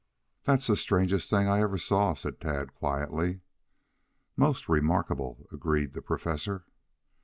"That's the strangest thing I ever saw," said Tad quietly. "Most remarkable," agreed the Professor.